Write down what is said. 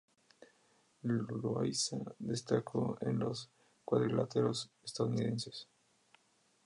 Loayza destacó en los cuadriláteros estadounidenses.